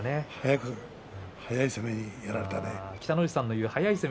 速い攻めにやられたね。